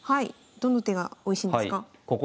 どの手がおいしいんですか？